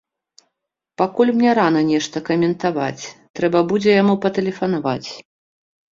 Пакуль мне рана нешта каментаваць, трэба будзе яму патэлефанаваць.